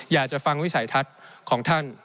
อยากจะฟังวิสัยทัศน์ของท่าน